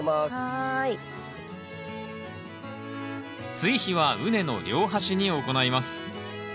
追肥は畝の両端に行います